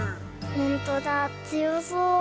ほんとだつよそう。